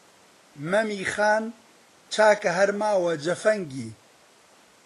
«مەمی خان» چاکە هەر ماوە جەفەنگی